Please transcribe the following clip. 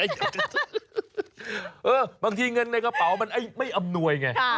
บางทีเงินในกระเป๋ามันไม่อำนวยไง